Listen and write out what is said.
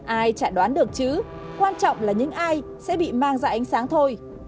ai chả đoán được chứ quan trọng là những ai sẽ bị mang ra ánh sáng thôi